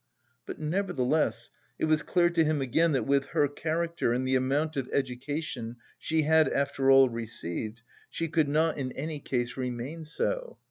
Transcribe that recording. But, nevertheless, it was clear to him again that with her character and the amount of education she had after all received, she could not in any case remain so.